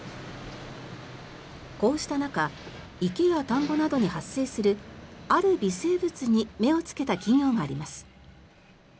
こうした中池や田んぼなどに発生するある微生物に目をつけた企業があります。